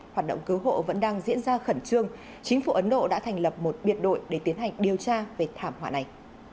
hoạt động cứu hộ vẫn đang diễn ra khẩn trương chính phủ ấn độ đã thành lập một biệt đội để tiến hành điều tra về thảm họa này